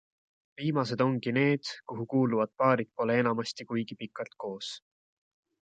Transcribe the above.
Viimased ongi need, kuhu kuuluvad paarid pole enamasti kuigi pikalt koos.